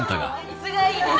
椅子がいいです